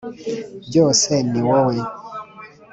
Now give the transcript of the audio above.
byose ni wowe